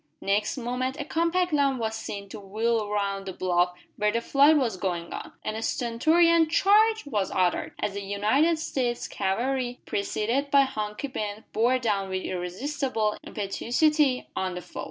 Next moment a compact line was seen to wheel round the bluff where the fight was going on, and a stentorian "Charge!" was uttered, as the United States cavalry, preceded by Hunky Ben, bore down with irresistible impetuosity on the foe.